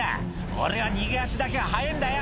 俺は逃げ足だけは速えぇんだよ」